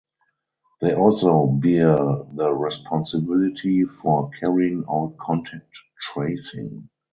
They also bear the responsibility for carrying out contact tracing.